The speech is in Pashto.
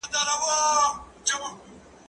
زه هره ورځ کتابتون ته ځم!.